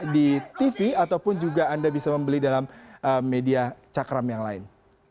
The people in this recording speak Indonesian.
di tv ataupun juga anda bisa membeli dalam media cakram yang lain